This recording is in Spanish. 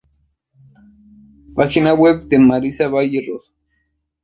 Página web de Marisa Valle Roso